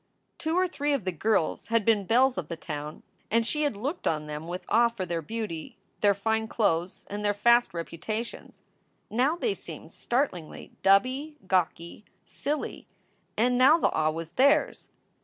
Two or three of the girls had been belles of the town and she had looked on them with awe for their beauty, their fine clothes, and their fast reputations. Now they seemed startlingly dubby, gawky, silly ; and now the awe was theirs.